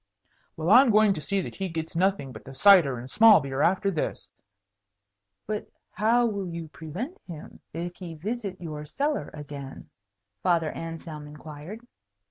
"Well, I'm going to see that he gets nothing but the cider and small beer after this." "But how will you prevent him, if he visit your cellar again?" Father Anselm inquired.